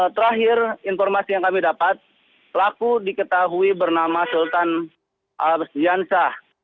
terakhir informasi yang kami dapat laku diketahui bernama sultan al basjansah